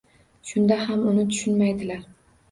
Shunda ham uni tushunmaydilar.